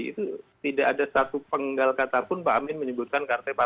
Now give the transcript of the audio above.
itu tidak ada satu penggal kata pun pak amin menyebutkan